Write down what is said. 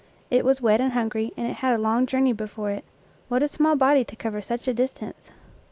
It was wet and hungry, and it had a long journey before it. What a small body to cover such a distance!